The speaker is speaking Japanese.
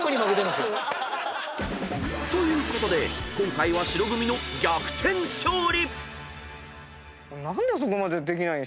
［ということで今回は白組の逆転勝利］おい！